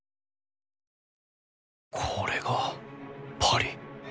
これがパリ！